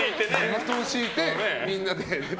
布団敷いて、みんなで。